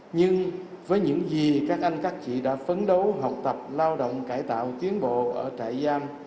nhưng với những gì các anh các chị đã phấn đấu học tập lao động cải tạo tiến bộ ở trại giam